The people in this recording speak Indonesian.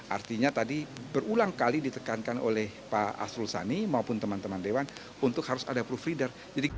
artinya tadi berulang kali ditekankan oleh pak asrul sani maupun teman teman dewan untuk harus ada provider